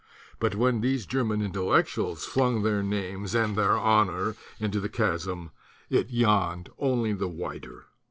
But when these German Intel lectuals flung their names and their honor into the chasm, it yawned only the wider.